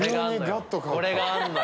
これがあんのよ。